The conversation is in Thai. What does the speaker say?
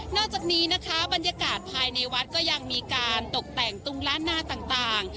จากนี้นะคะบรรยากาศภายในวัดก็ยังมีการตกแต่งตุงล้านหน้าต่าง